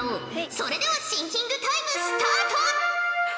それではシンキングタイムスタート！